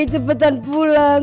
ki ki cepetan pulang